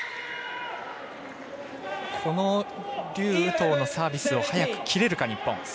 劉禹とうのサービスを早く切れるか、日本。